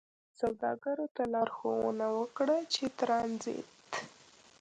سوداګرو ته لارښوونه وکړه چې ترانزیت